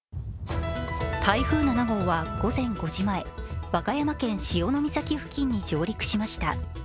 台風７号は午前５時前、和歌山県・潮岬付近に上陸しました。